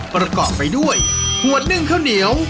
ประกอบไปด้วยหัวนึ่งข้าวเหนียว